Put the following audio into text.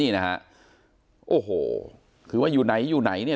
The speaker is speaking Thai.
นี่นะฮะโอ้โหคือว่าอยู่ไหนอยู่ไหนเนี่ย